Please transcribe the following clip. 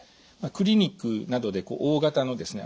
クリニックなどで大型のですね